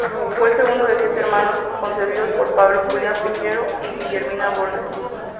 Fue el segundo de siete hermanos concebidos por Pablo Julián Piñero y Guillermina Borges.